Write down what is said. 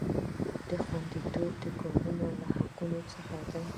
کاري خوندیتوب د کارکوونکي له حقونو څخه دی.